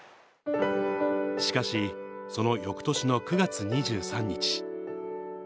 しかし、そのよくとしの９月２３日。